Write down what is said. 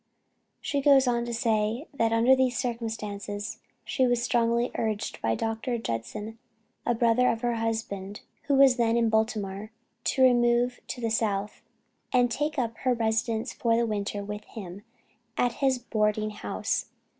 She goes on to say that under these circumstances, she was strongly urged by Dr. Judson, a brother of her husband, who was then in Baltimore, to remove to the south, and take up her residence for the winter with him at his boarding house.